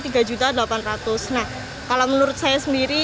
nah kalau menurut saya sendiri